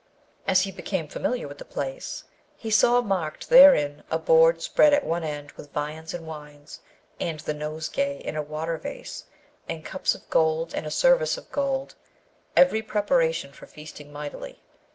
As he became familiar with the place, he saw marked therein a board spread at one end with viands and wines, and the nosegay in a water vase, and cups of gold and a service of gold, every preparation for feasting mightily.